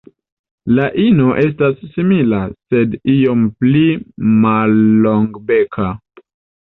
La ino estas simila, sed iom pli mallongbeka.